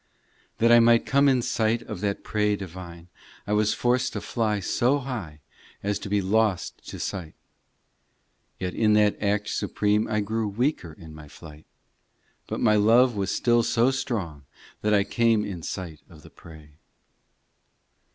ii That I might come in sight Of that prey divine, I was forced to fly so high As to be lost to sight; Yet in that act supreme I grew weaker in my flight, But my love was still so strong That I came in sight of the prey.